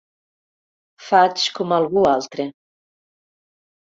Faig com algú altre.